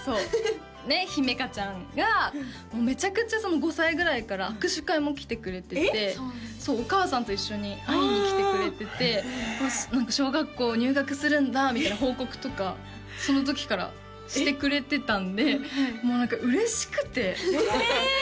ねっ姫華ちゃんがめちゃくちゃ５歳ぐらいから握手会も来てくれててそうお母さんと一緒に会いに来てくれてて何か小学校入学するんだみたいな報告とかその時からしてくれてたんでもう何か嬉しくてええ！